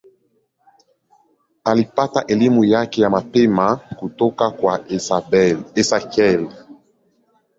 Alipata elimu yake ya mapema kutoka kwa Esakhel.